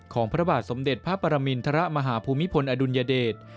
ของพระบาทสมเด็จพระปรมิณฑทระมหาภูมิภลอดุลยเดช